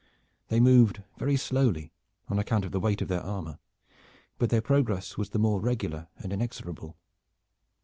They moved very slowly, on account of the weight of their armor, but their progress was the more regular and inexorable.